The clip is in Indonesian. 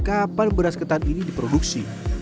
kapan beras ketan ini diproduksi